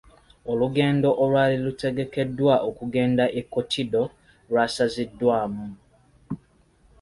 Olugendo olwali lutegekeddwa okugenda e Kotido lwasaziddwamu.